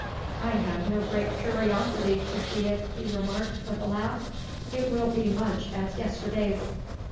'I have no great curiosity to see it,' he remarked, with a laugh. 'It will be much as yesterday's.